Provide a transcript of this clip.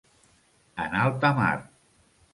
En alta mar.